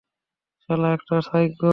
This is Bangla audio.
সালা একটা সাইকো।